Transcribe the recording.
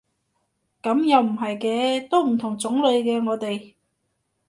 噉又唔係嘅，都唔同種類嘅我哋